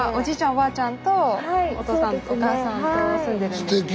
おばあちゃんとお父さんお母さんと住んでるんですね。